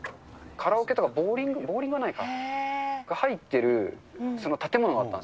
カラオケとかボウリング、ボウリングはないか、入ってる、その建物があったんです。